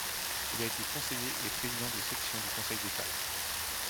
Il a été conseiller et président de section du Conseil d'État.